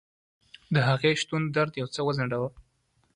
د هغې شتون درد یو څه وځنډاوه.